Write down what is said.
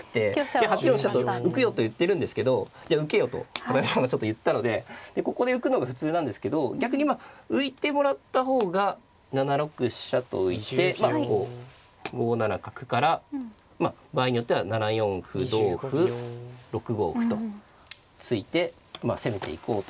で８四飛車と浮くよと言ってるんですけどじゃあ浮けよと片上さんがちょっと言ったのでここで浮くのが普通なんですけど逆に浮いてもらった方が７六飛車と浮いてまあこう５七角から場合によっては７四歩同歩６五歩と突いて攻めていこうという。